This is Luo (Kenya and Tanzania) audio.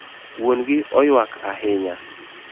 Wuon gi oywak ahinya